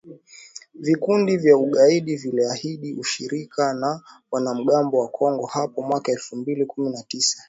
Vikundi vya ugaidi viliahidi ushirika na wanamgambo wa Kongo hapo mwaka elfu mbili kumi na tisa.